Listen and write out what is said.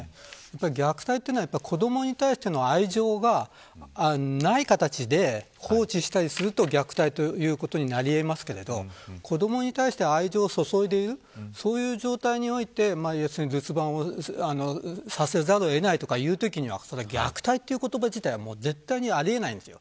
虐待っていうのは子どもに対しての愛情がない形で放置したりすると虐待ということになり得ますが子どもに対して愛情を注いでいるそういう状態において留守番をさせざるをえないという時にはそれは虐待という言葉自体絶対にあり得ないんです。